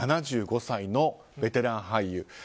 ７５歳のベテラン俳優